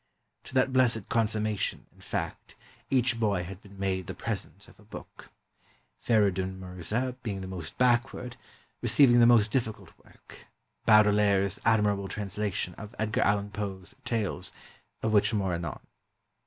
To that blessed consummation, in fact, each boy had been made the present of a book; Feridun Mirza, being the most backward, receiving the most difficult work — Baudelaire's admirable translation of Edgar Allan Poe's "Tales," of which more anon.